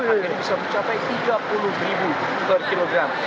harganya bisa mencapai tiga puluh per kilogram